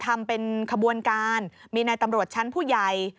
ทำเป็นขบวนการมีนายตำรวจชั้นผู้ใหญ่